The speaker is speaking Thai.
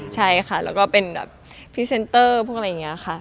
ใช่ค่ะแล้วก็เป็นแบบพรีเซนเตอร์พวกอะไรอย่างนี้ค่ะ